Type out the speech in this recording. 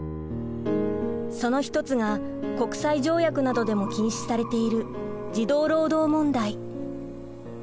その一つが国際条約などでも禁止されている児童労働問題。